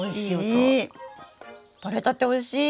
とれたておいしい！